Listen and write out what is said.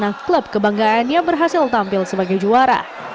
karena klub kebanggaannya berhasil tampil sebagai juara